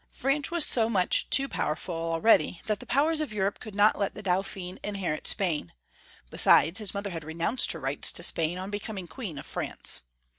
France was so much too powerful already that the powera of Europe could not let the Daupliin inherit Spain — besides, his mother had renounced her rights to Spain on be coming Queen of France.